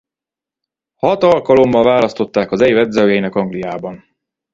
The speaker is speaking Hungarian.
Hat alkalommal választották az év edzőjének Angliában.